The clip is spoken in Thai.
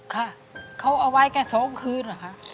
ค่ะเขาเอาไว้แค่๒คืนเหรอคะ